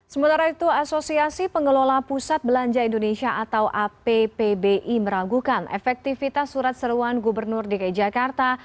sementara itu asosiasi pengelola pusat belanja indonesia atau appbi meragukan efektivitas surat seruan gubernur dki jakarta